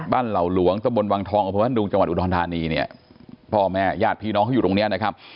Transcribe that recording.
บ้านเหล่าหลวงตะบนวังทองอุดฐานีพ่อแม่ญาติพี่น้องเขาอยู่ตรงเนี้ยนะครับ